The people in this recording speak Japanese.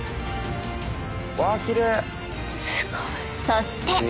そして。